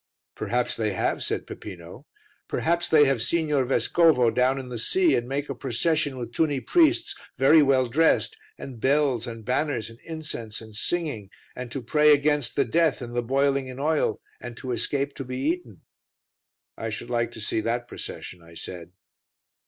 "Perhaps they have," said Peppino. "Perhaps they have Signor Vescovo down in the sea and make a procession with tunny priests very well dressed, and bells and banners and incense and singing, and to pray against the death and the boiling in oil, and to escape to be eaten." "I should like to see that procession," I said.